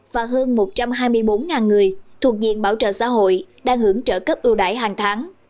và hơn một trăm hai mươi bốn người thuộc diện bảo trợ xã hội đang hưởng trợ cấp ưu đải hàng tháng